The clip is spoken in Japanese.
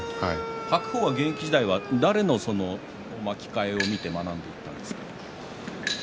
白鵬は現役時代誰の巻き替えを見て学んだんですか？